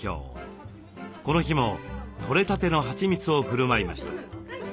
この日もとれたてのはちみつをふるまいました。